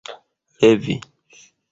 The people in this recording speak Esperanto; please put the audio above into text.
levi